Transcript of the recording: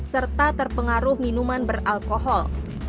serta terpengaruh minuman beralkohol